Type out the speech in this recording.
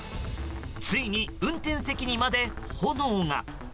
ついに運転席にまで炎が。